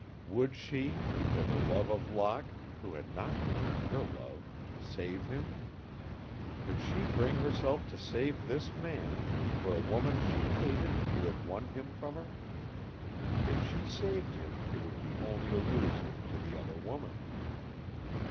Would she, for love of Locke, who had not returned her love, save him? Could she bring herself to save this man for a woman she hated, who had won him from her? If she saved him it would be only to lose him to the other woman.